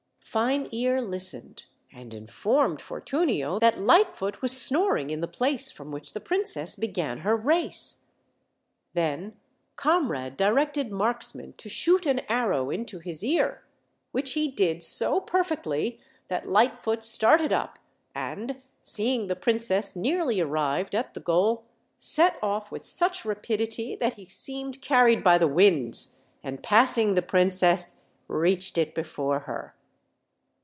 Fine ear listened, and informed Fortunio that Lightfoot was snoring in the place from which the princess began her race. Then Comrade directed Marksman to shoot an arrow into his ear, which he did so perfectly that Lightfoot started up and, seeing the princess nearly arrived at the goal, set oif with such rapidity that he seemed carried by the winds, and, passing the princess, reached it before her.